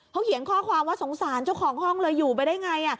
เขาเขียนข้อความว่าสงสารเจ้าของห้องเลยอยู่ไปได้ไง